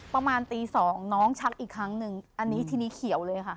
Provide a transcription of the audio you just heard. ประมาณตีสองน้องชักอีกครั้งหนึ่งอันนี้ทีนี้เขียวเลยค่ะ